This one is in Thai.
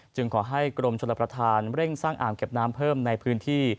ขอให้กรมชลประธานเร่งสร้างอ่างเก็บน้ำเพิ่มในพื้นที่